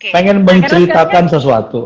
pengen menceritakan sesuatu